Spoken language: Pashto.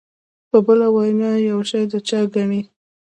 په بله وینا یو شی د چا ګڼي.